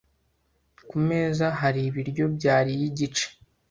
Ku meza hari ibiryo byariye igice.